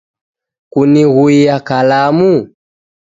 kunighuiya kalamu?